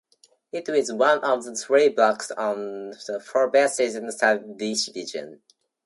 It is one of the three blocks of Forbesganj subdivision.